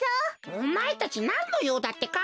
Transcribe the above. おまえたちなんのようだってか？